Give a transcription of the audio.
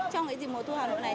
trong dịp mùa thu hà nội này